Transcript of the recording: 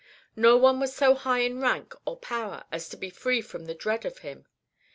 No one was so high in rank or power as to be free from the dread of him.